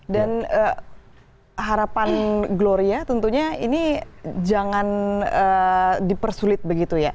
dan harapan gloria tentunya ini jangan dipersulit begitu ya